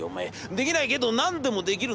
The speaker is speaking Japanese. できないけど何でもできるんだよ。